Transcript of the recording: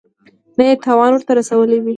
نه یې تاوان ورته رسولی وي.